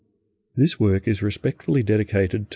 THIS WORK IS RESPECTFULLY DEDICATED TO MR.